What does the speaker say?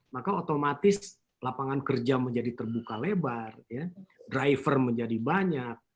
maka otomatis lapangan kerja menjadi terbuka lebar driver menjadi banyak